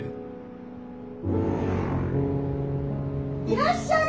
いらっしゃい！